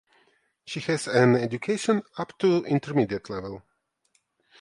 She has an education up to Intermediate level.